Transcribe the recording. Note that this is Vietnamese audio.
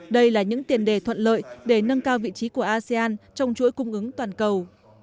đây là những tiền đề thuận lợi để nâng cao vị trí của asean trong chuỗi cung ứng toàn cầu